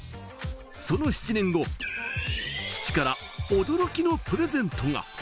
その７年後、父から驚きのプレゼントが。